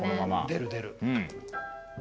出る出る。